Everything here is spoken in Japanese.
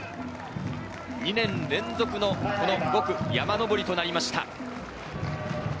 ２年連続の５区山上りとなりました。